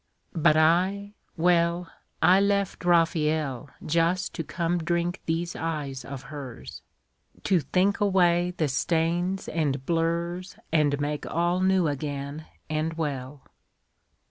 But I, well, I left Raphael Just to come drink these eyes of hers, To think away the stains and blurs And make all new again and well.